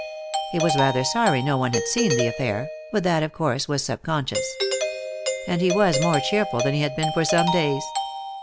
He was rather sorry no one had seen the affair, but that of course was sub conscious. And he was more cheerful than he had been for some days.